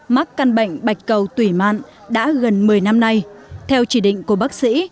mắc căn bệnh bạch cầu tủy mạn đã gần một mươi năm nay theo chỉ định của bác sĩ